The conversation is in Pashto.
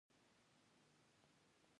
بزګري هم په همدې موده کې رامنځته شوه.